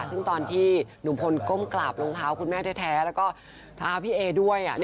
ซึ่งตอนที่หนุ่มพลก้มกราบรองเท้าคุณแม่แท้แล้วก็เท้าพี่เอด้วย